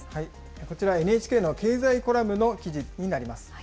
こちらＮＨＫの経済コラムの記事になります。